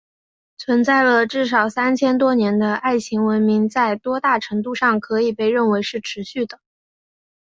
存在了至少三千多年的爱琴文明在多大程度上可以被认为是持续的？